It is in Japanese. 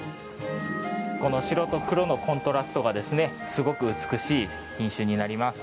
この白と黒のコントラストがすごく美しい品種になります。